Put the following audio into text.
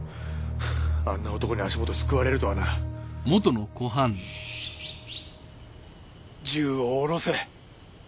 あんな男に足元すくわれるとはな銃を下ろせ。